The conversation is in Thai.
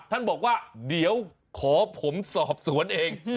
ท่านบอกว่าเดี๋ยวขอผมสอบสวนเอง